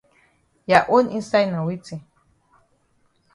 Ya own inside na weti.